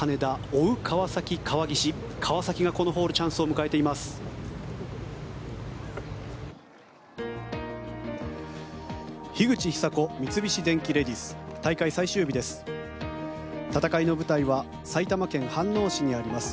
大会最終日です。